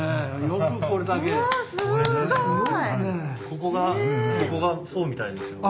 ここがそうみたいですよ。